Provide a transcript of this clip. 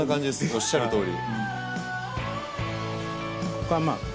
おっしゃる通り。